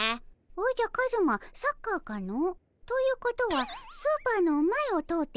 おじゃカズマサッカーかの？ということはスーパーの前を通って行くのかの？